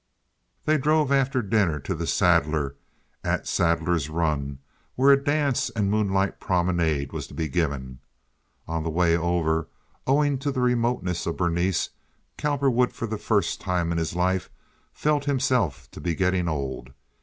They drove after dinner to The Saddler, at Saddler's Run, where a dance and "moonlight promenade" was to be given. On the way over, owing to the remoteness of Berenice, Cowperwood for the first time in his life felt himself to be getting old.